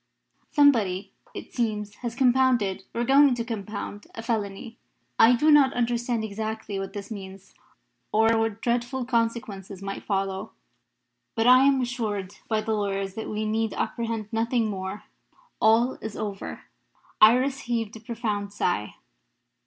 Somebody, it seems, has compounded or is going to compound a felony. I do not understand exactly what this means, or what dreadful consequences might follow; but I am assured by the lawyers that we need apprehend nothing more. All is over." Iris heaved a profound sigh.